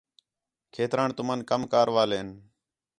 کھیتران تُمن کم کار والین